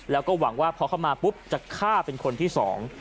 แล้วก็หวังว่าพอเข้ามาปุ๊บจะฆ่าเป็นคนที่สอง